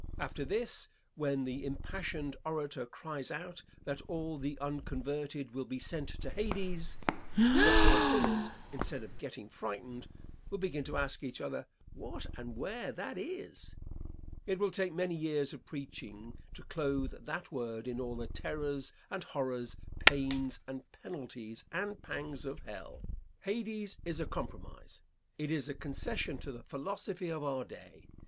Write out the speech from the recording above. After this, when the impassioned orator cries out that all the unconverted will be sent to Hades, the poor sinners, instead of getting frightened, will begin to ask each other what and where that is. It will take many years of preaching to clothe that word in all the terrors and horrors, pains, and penalties and pangs of hell. Hades is a compromise. It is a concession to the philosophy of our day.